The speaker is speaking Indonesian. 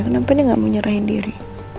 kenapa dia gak mau nyerahin diri